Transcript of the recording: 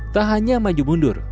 tak hanya maju mundur